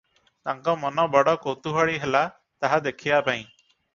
ତାଙ୍କ ମନ ବଡ଼ କୌତୂହଳୀ ହେଲା ତାହା ଦେଖିବାପାଇଁ ।